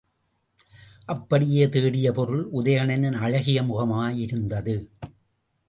அப்படித் தேடிய பொருள் உதயணனின் அழகிய முகமாக இருந்தது.